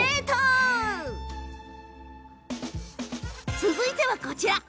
続いては、こちら。